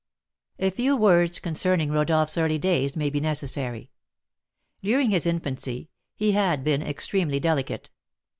A few words concerning Rodolph's early days may be necessary. During his infancy, he had been extremely delicate.